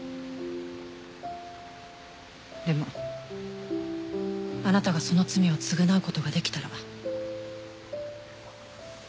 でもあなたがその罪を償うことができたら。